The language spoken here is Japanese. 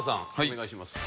お願いします。